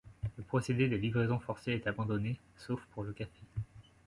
Le procédé des livraisons forcées est abandonné sauf pour le café.